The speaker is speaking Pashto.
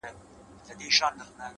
• او لا یې هم، په رسنیو کي ,